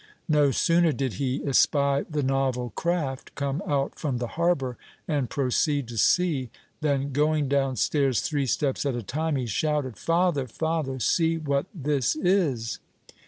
No sooner did he espy the novel craft come out from the harbor, and proceed to sea, than going down stairs three steps at a time, he shouted, "Father! father! see what this is!"